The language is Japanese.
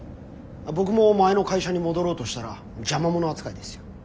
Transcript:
僕も前の会社に戻ろうとしたら邪魔者扱いですよ。